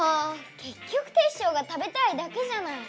けっきょくテッショウが食べたいだけじゃない。